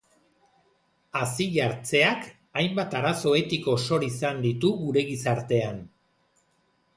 Hazi-jartzeak hainbat arazo etiko sor izan ditu gure gizartean.